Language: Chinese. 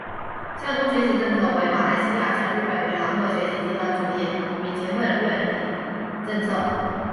向东学习政策为马来西亚向日本与韩国学习集团主义与勤奋论理政策。